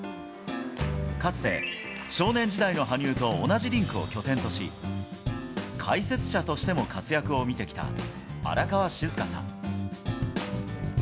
かつて少年時代の羽生と同じリンクを拠点とし、解説者としても活躍を見てきた荒川静香さん。